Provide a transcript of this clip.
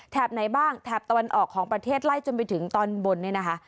ไหนบ้างแถบตะวันออกของประเทศไล่จนไปถึงตอนบนเนี่ยนะคะ